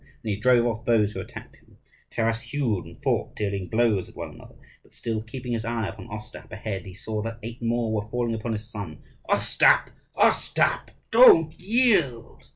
And he drove off those who attacked him. Taras hewed and fought, dealing blows at one after another, but still keeping his eye upon Ostap ahead. He saw that eight more were falling upon his son. "Ostap, Ostap! don't yield!"